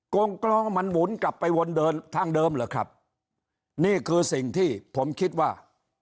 งกรองมันหมุนกลับไปวนเดินทางเดิมเหรอครับนี่คือสิ่งที่ผมคิดว่า